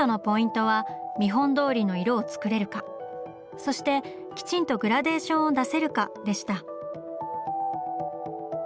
そしてきちんとグラデーションを出せるかでした。